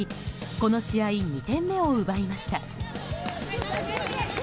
この試合２点目を奪いました。